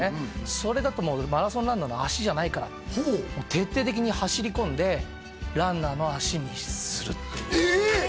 それだともうマラソンランナーの脚じゃないからって徹底的に走り込んでランナーの脚にするっていうえーっ！？